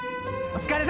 お疲れ！